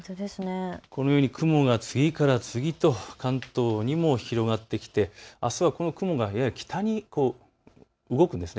このように雲が次から次へと関東にも広がってきてあすはこの雲がやや北に動くんです。